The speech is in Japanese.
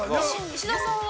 ◆石田さんは。